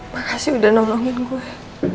makasih udah nolongin gue